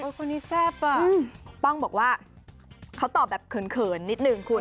คนนี้แซ่บอ่ะป้องบอกว่าเขาตอบแบบเขินนิดนึงคุณ